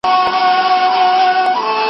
وارد شوي توکي تصدیق شي.